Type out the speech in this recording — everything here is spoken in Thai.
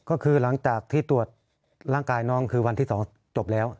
ก็คือหลังจากที่ตรวจร่างกายน้องคือวันที่๒จบแล้ว